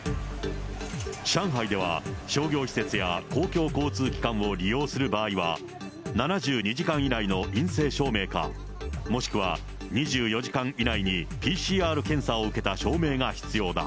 上海では、商業施設や公共交通機関を利用する場合は、７２時間以内の陰性証明か、もしくは２４時間以内にＰＣＲ検査を受けた証明が必要だ。